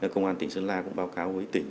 công an tỉnh sơn la cũng báo cáo với tỉnh